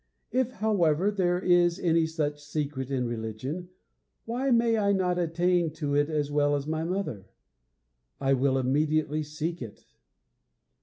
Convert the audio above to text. If, however, there is any such secret in religion, why may I not attain to it as well as my mother? I will immediately seek it!'